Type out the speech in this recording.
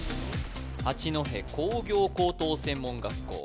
八戸工業高等専門学校